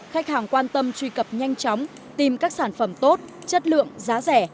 khách hàng quan tâm truy cập nhanh chóng tìm các sản phẩm tốt chất lượng giá rẻ